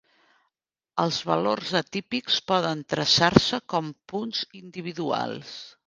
Els valors atípics poden traçar-se com punts individuals.